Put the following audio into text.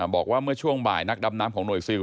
บอกว่าเมื่อช่วงบ่ายนักดำน้ำของหน่วยซิล